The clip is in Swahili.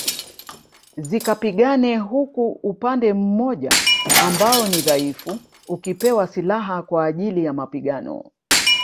Zikapigane huku upande mmoja ambao ni dhaifu ukipewa silaha kwa ajili ya mapigano